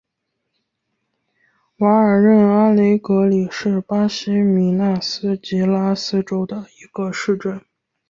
瓦尔任阿雷格里是巴西米纳斯吉拉斯州的一个市镇。